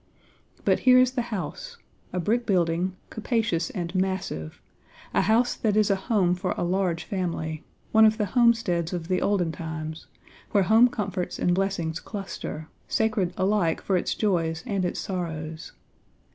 "But here is the house a brick building, capacious and massive, a house that is a home for a large family, one of the homesteads of the olden times, where home comforts and blessings cluster, sacred alike for its joys and its sorrows.